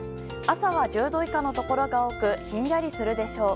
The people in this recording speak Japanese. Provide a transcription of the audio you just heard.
朝は１０度以下のところが多くひんやりするでしょう。